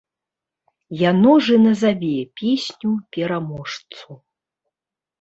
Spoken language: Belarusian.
Яно ж і назаве песню-пераможцу.